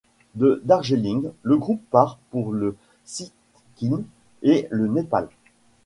De Darjeeling, le groupe part pour le Sikkim et le Népal.